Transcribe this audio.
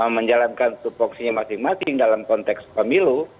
menjalankan suatu fungsinya masing masing dalam konteks pemilu